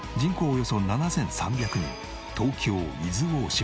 およそ７３００人東京伊豆大島。